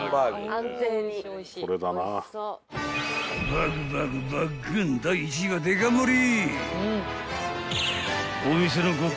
［バグバグバッグン第１位はデカ盛り］